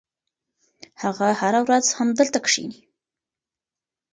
هغه هره ورځ همدلته کښېني.